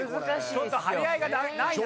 ちょっと張り合いがないな。